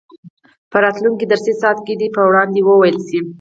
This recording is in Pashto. په راتلونکي درسي ساعت کې دې په وړاندې وویل شي.